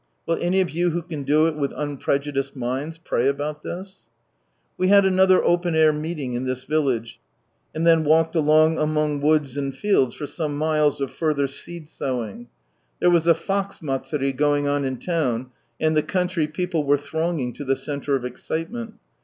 Will any of you who can do it with un prejudiced minds pray about this? We had another open air meeting in this village, and then walked along among woods and fields for some miles of further seed sowing. There was a Fox Matsurie going on in town, and the country people were thronging to the centre of excitement.